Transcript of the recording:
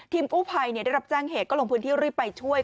กู้ภัยได้รับแจ้งเหตุก็ลงพื้นที่รีบไปช่วย